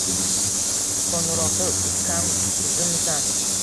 Qo‘ng‘iroqda "ukkaam tuzumisan?